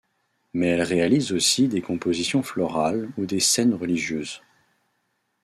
Mais elle réalise aussi des compositions florales ou des scènes religieuses.